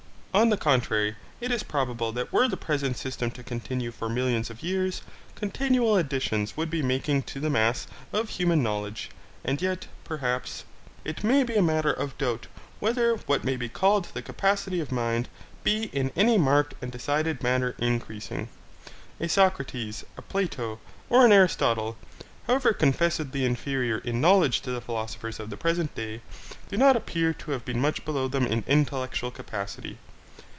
On the contrary, it is probable that were the present system to continue for millions of years, continual additions would be making to the mass of human knowledge, and yet, perhaps, it may be a matter of doubt whether what may be called the capacity of mind be in any marked and decided manner increasing. A Socrates, a Plato, or an Aristotle, however confessedly inferior in knowledge to the philosophers of the present day, do not appear to have been much below them in intellectual capacity.